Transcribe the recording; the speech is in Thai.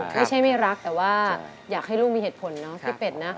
ไม่รักแต่ว่าอยากให้ลูกมีเหตุผลเนาะพี่เป็ดนะ